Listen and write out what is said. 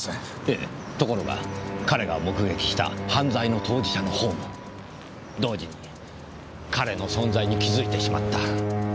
ええところが彼が目撃した犯罪の当事者の方も同時に彼の存在に気づいてしまった。